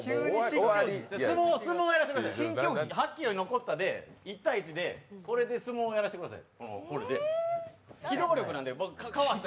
新競技、はっけよいのこったで、１対１でこれで相撲をやらせてください。